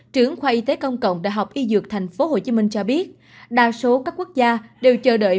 trưởng khoa y tế công cộng đại học y dược tp hcm cho biết đa số các quốc gia đều chờ đợi